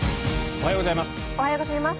おはようございます。